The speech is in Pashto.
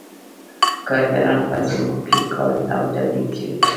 کارګران په ځمکو کې کار او تولید کوي